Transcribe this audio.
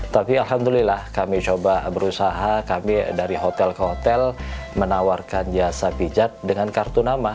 tapi alhamdulillah kami coba berusaha kami dari hotel ke hotel menawarkan jasa pijat dengan kartu nama